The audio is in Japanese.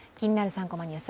３コマニュース」